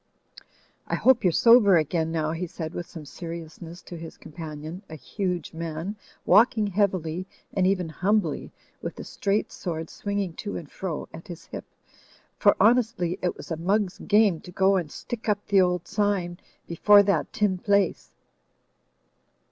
"I hope you're sober again now," he said with some vox POPULI VOX DEI 91 seriousness to his companion, a huge man walking heavily and even humbly with a straight sword swing ing to and fro at his hip— "for honestly it was a mug's game to go and stick up the old sign before that tin place.